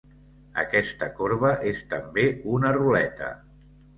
Aquesta corba és també una ruleta.